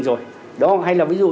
rồi đúng không hay là ví dụ